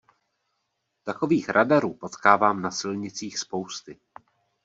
Takových radarů potkávám na silnicích spousty.